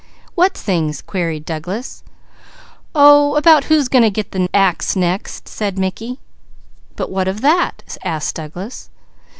"What things?" queried Douglas. "Oh about who's going to get the axe next!" said Mickey. "But what of that?" asked Douglas.